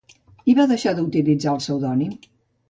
I va deixar d'utilitzar el pseudònim.